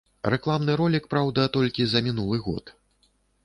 Рэкламны ролік, праўда, толькі за мінулы год.